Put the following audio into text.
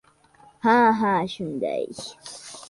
— Ha-ha, shunday!